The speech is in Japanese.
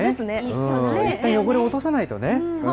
一回、汚れを落とさないとね。